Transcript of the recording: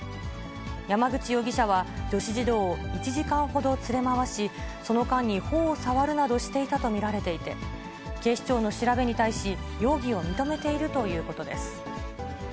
山口容疑者は女子児童を１時間ほど連れ回し、その間にほおを触るなどしていたと見られていて、警視庁の調べに対し、容疑を認めているということです。